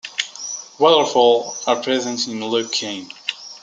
Waterfalls are present in Luk Keng.